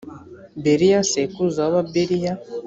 beriya sekuruza w’ababeriya.